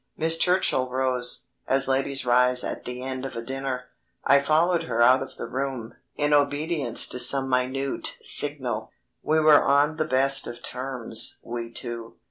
Miss Churchill rose, as ladies rise at the end of a dinner. I followed her out of the room, in obedience to some minute signal. We were on the best of terms we two.